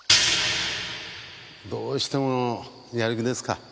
どうしてもやる気ですか？